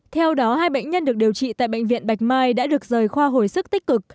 theo đó hai bệnh nhân được điều trị tại bệnh viện bạch mai đã được rời khoa hồi sức tích cực